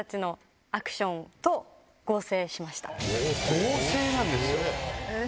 合成なんですよ。